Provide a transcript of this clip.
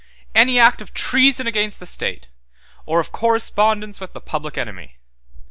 1. Any act of treason against the state, or of correspondence with the public enemy.